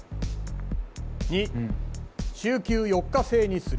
②週休４日制にする。